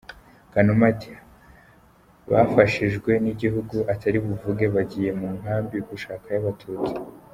Kanuma ati bafashijwe n’igihugu atari buvuge, bagiye mu nkambi…gushakayo Abatutsi.